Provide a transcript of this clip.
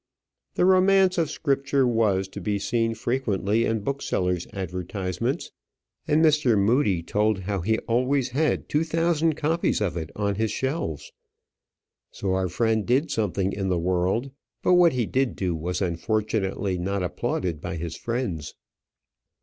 "The Romance of Scripture" was to be seen frequently in booksellers' advertisements, and Mr. Mudie told how he always had two thousand copies of it on his shelves. So our friend did something in the world; but what he did do was unfortunately not applauded by his friends.